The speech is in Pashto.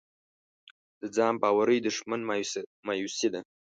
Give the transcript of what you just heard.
د ځان باورۍ دښمن مایوسي ده.